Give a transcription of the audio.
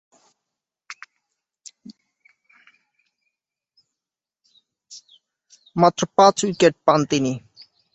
মাত্র পাঁচ উইকেট পান তিনি।